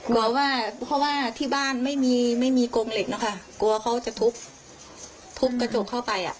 บอกว่าเพราะว่าที่บ้านไม่มีไม่มีกงเหล็กนะคะกลัวเขาจะทุบทุบกระจกเข้าไปอ่ะ